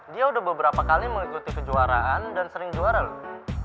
dia udah beberapa kali mengikuti kejuaraan dan sering menarik